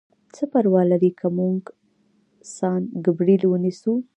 څه پروا لري که موږ سان ګبریل ونیسو؟